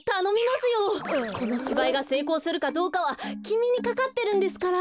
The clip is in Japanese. このしばいがせいこうするかどうかはきみにかかってるんですから！